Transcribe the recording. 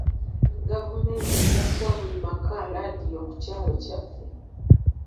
Gavumenti ejja kuwa buli maka laadiyo ku kyalo kyaffe.